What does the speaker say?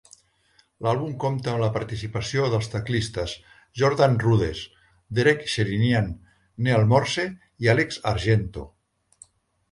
L'àlbum compta amb la participació dels teclistes Jordan Rudess, Derek Sherinian, Neal Morse i Alex Argento.